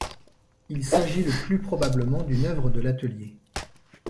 Il s'agit le plus probablement d'une œuvre de l'atelier.